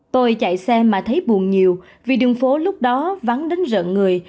tôi chạy xe mà thấy buồn nhiều vì đường phố lúc đó vắng đến rợn người